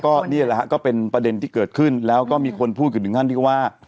ก็นี่แหละฮะก็เป็นประเด็นที่เกิดขึ้นแล้วก็มีคนพูดกันถึงขั้นที่ว่า